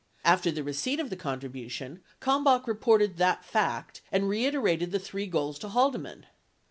72 After the receipt of the contribution, Kalmbach reported that fact and reiter ated the three goals to Haldeman.